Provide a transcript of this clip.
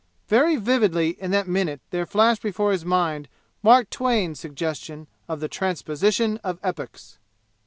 Very vividly in that minute there flashed before his mind Mark Twain's suggestion of the Transposition of Epochs.